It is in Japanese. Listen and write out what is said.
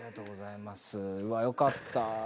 うわよかった。